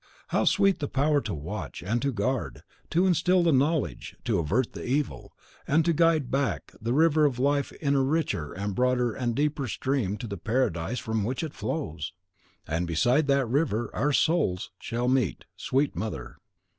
How sweet the power to watch, and to guard, to instil the knowledge, to avert the evil, and to guide back the river of life in a richer and broader and deeper stream to the paradise from which it flows! And beside that river our souls shall meet, sweet mother.